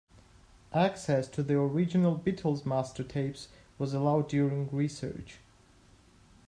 Access to the original Beatles master tapes was allowed during research.